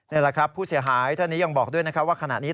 นี่แหละครับผู้เสียหายท่านนี้ยังบอกด้วยนะครับว่าขณะนี้